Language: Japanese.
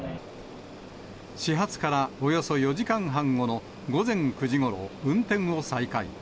始発からおよそ４時間半後の午前９時ごろ、運転を再開。